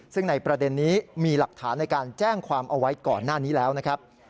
ซึ่งในประเด็นนี้มีหลักฐานในการแจ้งความเอาไว้ก่อนหน้านี้แล้วนะครับ